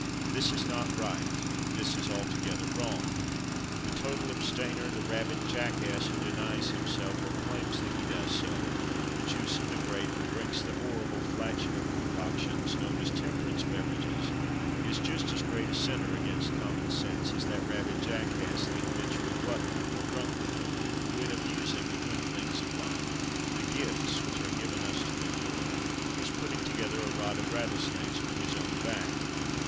This is not right. This is altogether wrong. The total abstainer, the rabid jackass who denies himself or claims that he does so the juice of the grape, and drinks the horrible, flatulent, concoctions known as "temperance beverages," is just as great a sinner against common sense as that rabid jackass the habitual glutton, or drunkard, who, in abusing the good things of life the gifts which are given us to enjoy is putting together a rod of rattlesnakes for his own back.